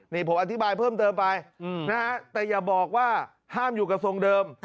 นี่ผมอธิบายเพิ่มเติมไปนะฮะแต่อย่าบอกว่าห้ามอยู่กระทรวงเดิม